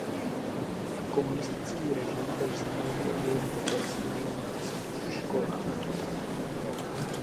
Komunistický režim též znemožnil jejím dětem studium na vysokých školách.